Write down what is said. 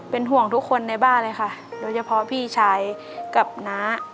เป็นห่วงทุกคนในบ้านเลยค่ะโดยเฉพาะพี่ชายกับน้า